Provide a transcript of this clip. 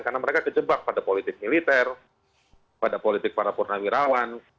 karena mereka kejebak pada politik militer pada politik para purnawirawan